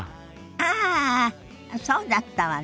ああそうだったわね。